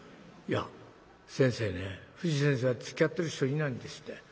いや先生ね藤先生はつきあってる人いないんですって。